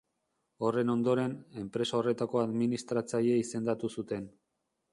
Horren ondoren, enpresa horretako administratzaile izendatu zuten.